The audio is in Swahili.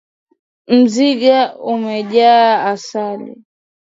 Mzinga umejaa asali.